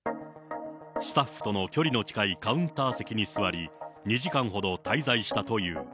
スタッフとの距離の近いカウンター席に座り、２時間ほど滞在したという。